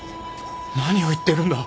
何を言ってるんだ。